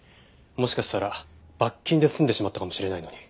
もしかしたら罰金で済んでしまったかもしれないのに。